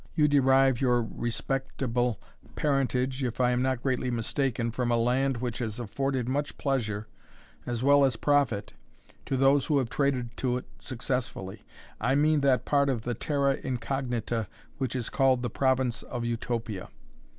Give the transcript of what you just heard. You derive your respectable parentage, if I am not greatly mistaken, from a land which has afforded much pleasure, as well as profit, to those who have traded to it successfully, I mean that part of the terra incognita which is called the province of Utopia.